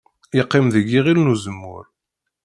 Iqqim deg yiɣil n uzemmur.